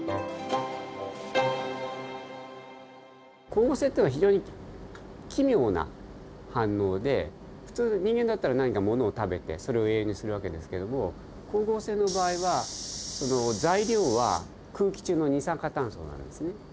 光合成っていうのは非常に奇妙な反応で普通人間だったら何かものを食べてそれを栄養にする訳ですけれども光合成の場合は材料は空気中の二酸化炭素なんですね。